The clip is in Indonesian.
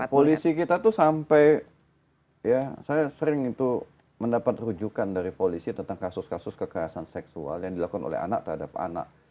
polisi kita tuh sampai ya saya sering itu mendapat rujukan dari polisi tentang kasus kasus kekerasan seksual yang dilakukan oleh anak terhadap anak